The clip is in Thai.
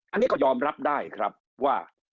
อันนี้ก็ยอมรับได้ครับว่า